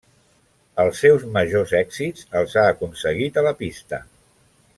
Els seus majors èxits els ha aconseguit a la pista.